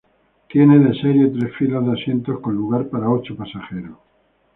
Tiene de serie tres filas de asientos con lugar para ocho pasajeros.